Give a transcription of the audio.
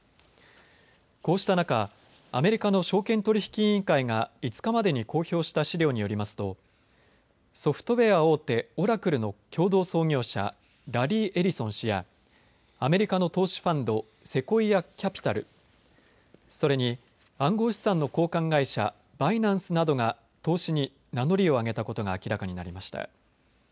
こうした中、アメリカの証券取引委員会が５日までに公表した資料によりますと、ソフトウエア大手、オラクルの共同創業者ラリー・エリソン氏やアメリカの投資ファンド、セコイア・キャピタル、それに暗号資産の交換会社、バイナンスなどが投資に名乗りをあげたことが明らかになりました。